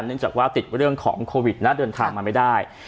เนื่องจากว่าติดเรื่องของโควิดนะเดินทางมาไม่ได้